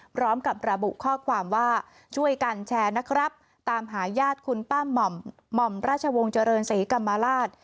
พร้อมกับระบุข้อความว่าช่วยกันแชร์นะครับตามหาญาติคุณป้าหม่อมราชวงศ์เจริญศรีกรรมราช